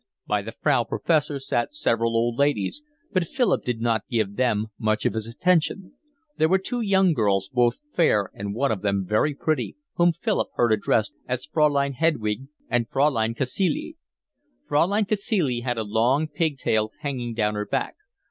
By the Frau Professor sat several old ladies, but Philip did not give them much of his attention. There were two young girls, both fair and one of them very pretty, whom Philip heard addressed as Fraulein Hedwig and Fraulein Cacilie. Fraulein Cacilie had a long pig tail hanging down her back.